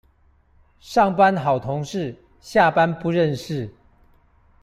上班好同事，下班不認識